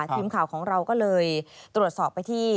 ทีมข่าวของเราก็เลยตรวจสอบไปที่